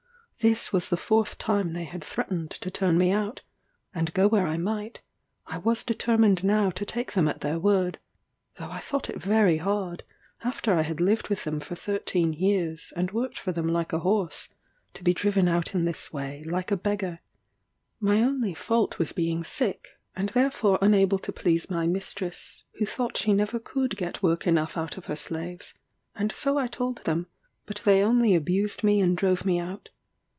This was the fourth time they had threatened turn me out, and, go where I might, I was determined now to take them at their word; though I thought it very hard, after I had lived with them for thirteen years, and worked for them like a horse, to be driven out in this way, like a beggar. My only fault was being sick, and therefore unable to please my mistress, who thought she never could get work enough out of her slaves; and I told them so: but they only abused me and drove me out.